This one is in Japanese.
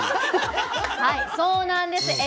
はいそうなんです。